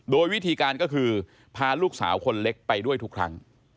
โดยวิธีการก็คือพาลูกสาวคนเล็กไปด้วยทุกครั้ง